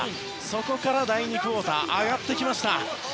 そこから第２クオーター上がってきました。